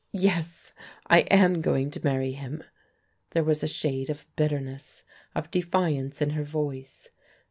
"Yes, I am going to marry him." There was a shade of bitterness, of defiance in her voice.